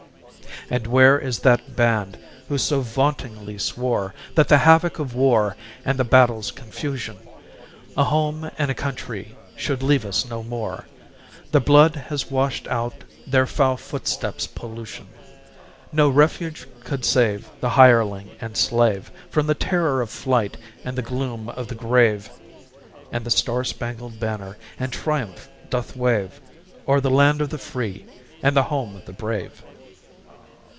And where is that band who so vauntingly swore That the havoc of war and the battle's confusion A home and a country should leave us no more? Their blood has washed out their foul footsteps' pollution. No refuge could save the hireling and slave, From the terror of flight and the gloom of the grave; And the star spangled banner in triumph doth wave O'er the land of the free, and the home of the brave!